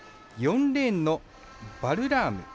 ４レーンのバルラーム。